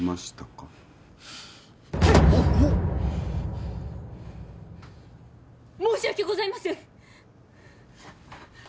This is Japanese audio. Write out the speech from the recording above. おっ申し訳ございません！